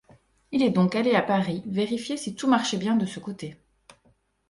Il est donc allé à Paris vérifier si tout marchait bien de ce côté.